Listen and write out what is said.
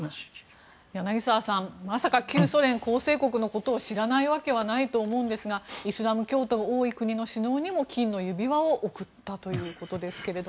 柳澤さんまさか旧ソ連構成国のことを知らないわけはないと思うんですがイスラム教徒が多い国の首脳にも金の指輪を贈ったということですが。